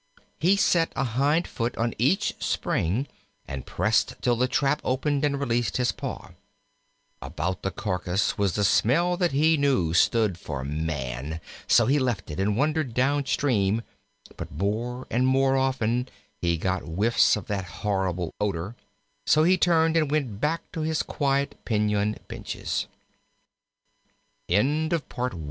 He set a hind foot on each spring and pressed till the trap opened and released his paw. About the carcass was the smell that he knew stood for man, so he left it and wandered down stream; but more and more often he got whiffs of that horrible odor, so he turned and went